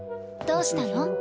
どうしたの？